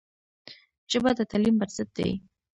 ژبه د تعلیم بنسټ دی.